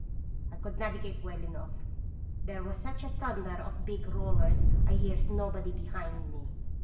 I could navigate well enough. There was such a thunder of big rollers I hears nobody behind me.